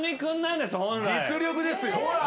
実力ですよ！ほら！